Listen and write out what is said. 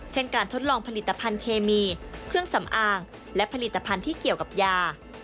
เช่นการทดลองผลิตภัณฑ์เคมีเครื่องสำอางและผลิตภัณฑ์ที่เกี่ยวกับยา